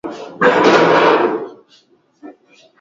nafikiria ile hotuba ya mohamed gaddafi